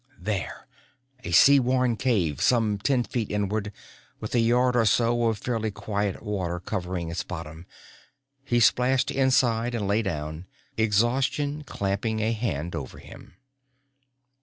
There a sea worn cave, some ten feet inward, with a yard or so of fairly quiet water covering its bottom. He splashed inside and lay down, exhaustion clamping a hand on him.